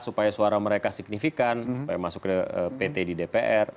supaya suara mereka signifikan supaya masuk ke pt di dpr